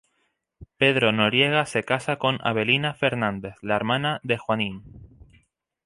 Pedro Noriega se casa con Avelina Fernández, hermana de "Juanín".